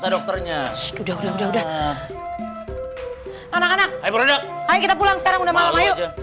dokternya sudah sudah anak anak hai kita pulang sekarang udah malam